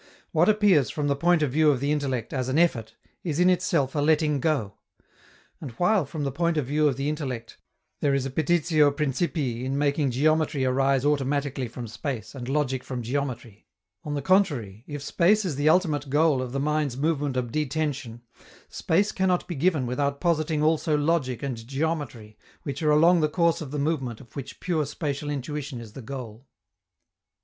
What appears, from the point of view of the intellect, as an effort, is in itself a letting go. And while, from the point of view of the intellect, there is a petitio principii in making geometry arise automatically from space, and logic from geometry on the contrary, if space is the ultimate goal of the mind's movement of detension, space cannot be given without positing also logic and geometry, which are along the course of the movement of which pure spatial intuition is the goal.